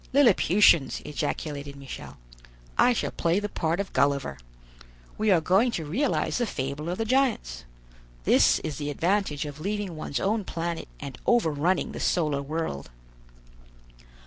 "Lilliputians!" ejaculated Michel; "I shall play the part of Gulliver. We are going to realize the fable of the giants. This is the advantage of leaving one's own planet and over running the solar world."